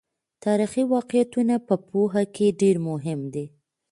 تاریخي واقعیتونه په پوهه کې ډېر مهم دي.